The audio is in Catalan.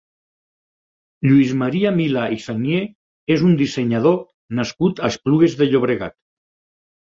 Lluís Maria Milà i Sagnier és un dissenyador nascut a Esplugues de Llobregat.